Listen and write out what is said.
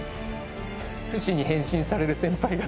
フシに変身される先輩方。